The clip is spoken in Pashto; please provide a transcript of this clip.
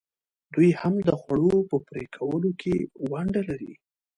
دوی هم د خوړو په پرې کولو کې ونډه لري.